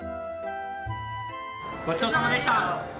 「ごちそうさまでした」。